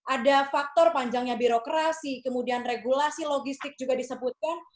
ada faktor panjangnya birokrasi kemudian regulasi logistik juga disebutkan